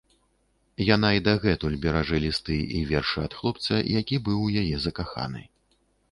Яна і дагэтуль беражэ лісты і вершы ад хлопца, які быў у яе закаханы.